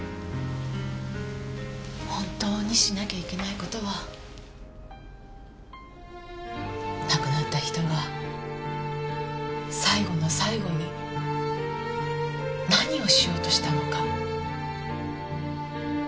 本当にしなきゃいけない事は亡くなった人が最後の最後に何をしようとしたのか。